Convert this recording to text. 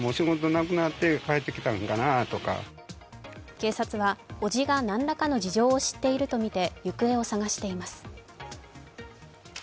警察は、おじが何らかの事情を知っているとみて行方を捜しています。